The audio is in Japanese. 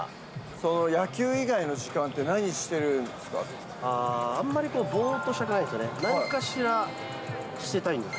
その野球以外の時間って何してるあんまりぼーっとしたくないんですよね、何かしらしてたいんです。